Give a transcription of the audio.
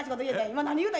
今何言うた？